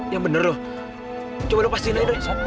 yang bener loh coba lepasin lagi drei